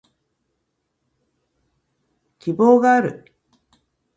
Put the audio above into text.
希望がある